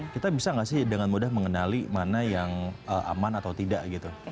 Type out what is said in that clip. kita bisa nggak sih dengan mudah mengenali mana yang aman atau tidak gitu